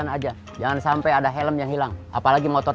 jangan jangan dik dik sebetulnya udah punya istri